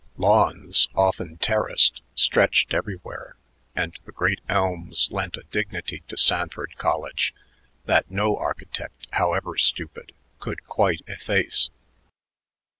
Lawns, often terraced, stretched everywhere, and the great elms lent a dignity to Sanford College that no architect, however stupid, could quite efface.